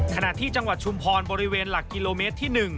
ขณะที่จังหวัดชุมพรบริเวณหลักกิโลเมตรที่๑